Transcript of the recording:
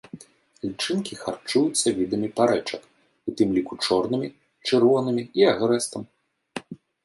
Лічынкі харчуюцца відамі парэчак, у тым ліку чорнымі, чырвонымі і агрэстам.